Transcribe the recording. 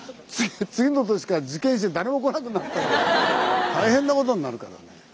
次の年から受験生誰も来なくなったら大変なことになるからね。